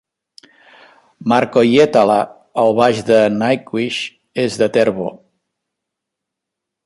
Marco Hietala, el baix de Nightwish és de Tervo.